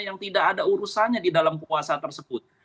yang tidak ada urusannya di dalam puasa tersebut